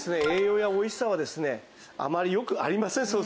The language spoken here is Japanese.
栄養やおいしさはですねあまりよくありません